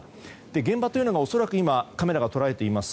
現場というのが恐らく今、カメラが捉えています